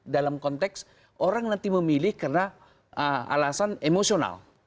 dalam konteks orang nanti memilih karena alasan emosional